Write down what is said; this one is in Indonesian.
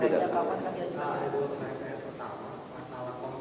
pertama masalah konsumen yang sudah terlanjur membeli bangunan di sana